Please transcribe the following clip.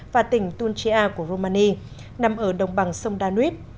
và tỉnh tunchea của romania nằm ở đồng bằng sông danuip